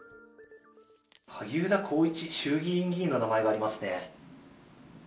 萩生田光一衆議院議員の名前がありますね。